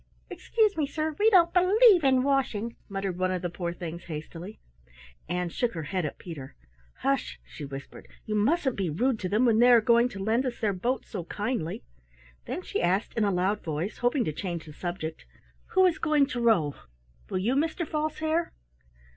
"Excuse me, sir, we don't believe in washing," muttered one of the poor things hastily. Ann shook her head at Peter. "Hush!" she whispered. "You mustn't be rude to them when they are going to lend us their boat so kindly." Then she asked in a loud voice, hoping to change the subject: "Who is going to row? Will you, Mr. False Hare?"